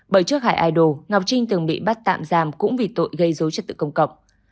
bởi trước hải idol ngọc trinh từng bị bắt tạm giam cũng vì tội gây dối trật tự công cộng